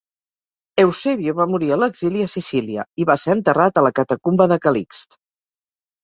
Eusebio va morir a l'exili a Sicília i va ser enterrat a la catacumba de Calixt.